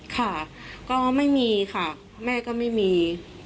ค่ะก็ไม่มีค่ะแม่ก็ไม่มี